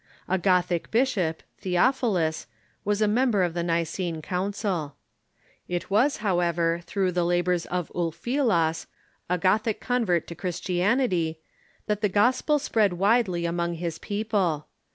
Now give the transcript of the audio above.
A Gothic bishop, Theophilus, was a member of the Nicene Council. It was, however, through the labors of Ulfilas, a Gothic convert to Christianity, that the gospel spread widely among his peo ple.